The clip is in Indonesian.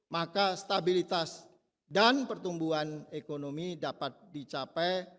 maka stabilitas dan pertumbuhan ekonomi dapat dicapai